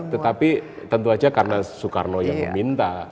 tetapi tentu saja karena soekarno yang meminta